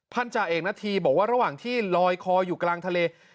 จาเอกณฑีบอกว่าระหว่างที่ลอยคออยู่กลางทะเล